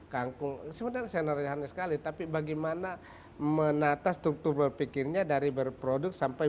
kangkung sebenarnya senarihannya sekali tapi bagaimana menata struktur berpikirnya dari berproduk sampai